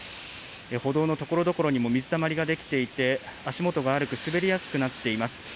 歩道のところどころにも水たまりが出来ていて、足元が滑りやすくなっています。